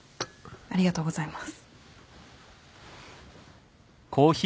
ありがとうございます。